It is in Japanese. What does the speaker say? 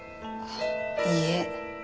あっいいえ。